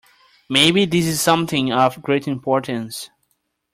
Maybe this is something of great importance.